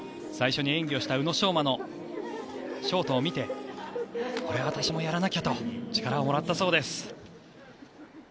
最初に演技をした宇野昌磨のショートを見てこれは私もやらなきゃと力をもらったそうです。